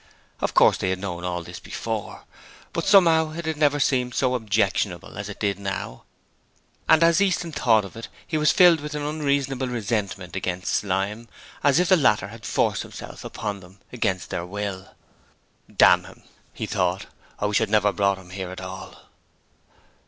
Of course they had known all this before, but somehow it had never seemed so objectionable as it did now, and as Easton thought of it he was filled an unreasonable resentment against Slyme, as if the latter had forced himself upon them against their will. 'Damn him!' he thought. 'I wish I'd never brought him here at all!'